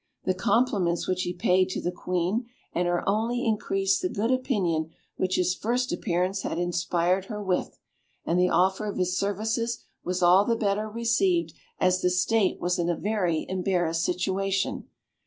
The compliments which he paid to the Queen and her only increased the good opinion which his first appearance had inspired her with, and the offer of his services was all the better received as the state was in a very embarrassed situation.